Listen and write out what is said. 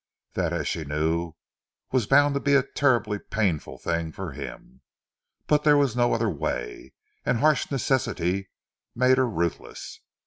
That, as she knew, was bound to be a terribly painful thing for him, but there was no other way, and harsh necessity made her ruthless.